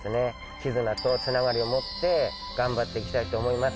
絆とつながりを持って頑張っていきたいと思います